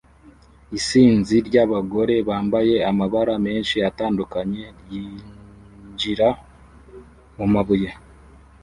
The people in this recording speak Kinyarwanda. Isinzi ryabagore bambaye amabara menshi atandukanye ryinjira mumabuye